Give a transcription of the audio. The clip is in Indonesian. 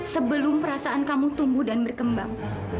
sebelum perasaan kamu tumbuh dan berkembang